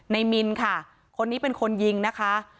มินค่ะคนนี้เป็นคนยิงนะคะ